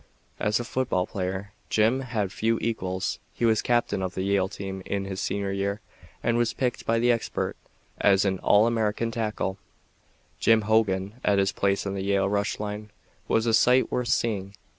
As a football player, Jim had few equals. He was captain of the Yale team in his senior year and was picked by the experts as an "All American Tackle." Jim Hogan at his place in the Yale rush line was a sight worth seeing.